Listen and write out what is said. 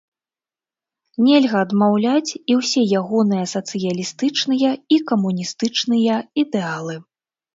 Нельга адмаўляць і ўсе ягоныя сацыялістычныя і камуністычныя ідэалы.